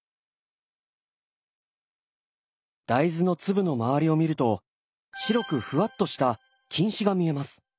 大豆の粒の周りを見ると白くふわっとした菌糸が見えます。